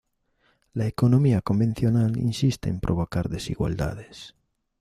la economía convencional insiste en provocar desigualdades